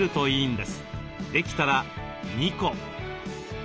できたら２個。